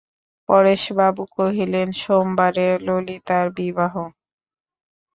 পরেশবাবু কহিলেন, সোমবারে ললিতার বিবাহ।